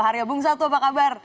hario bung sabtoh apa kabar